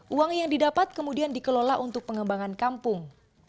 uang yang didapat kemudian dikelola untuk pengembangan kampung